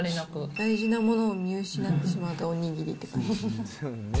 大事なものを見失ってしまったお握りって感じ。